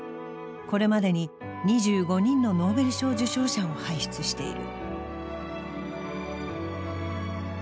これまでに２５人のノーベル賞受賞者を輩出している。